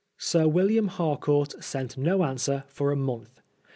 Sir William Harcourt sent no finswer for a month.